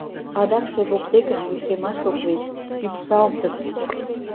Адакше воктекышт лишемаш ок лий: ӱпшалтыт!